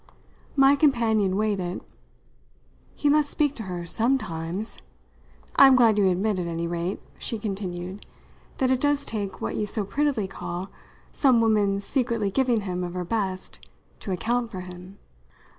My companion weighed it. "He must speak to her sometimes. I'm glad you admit, at any rate," she continued, "that it does take what you so prettily call some woman's secretly giving him of her best to account for him."